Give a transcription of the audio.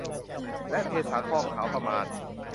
และเทสารฟอกขาวประมาณ